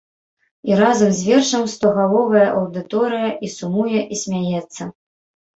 І разам з вершам стогаловая аўдыторыя і сумуе і смяецца.